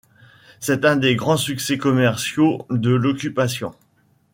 C'est un des grands succès commerciaux de l'Occupation.